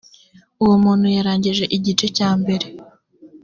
uwo muntu yarangije igice cya mbere